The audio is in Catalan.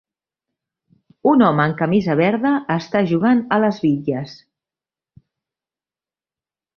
Un home amb camisa verda està jugant a les bitlles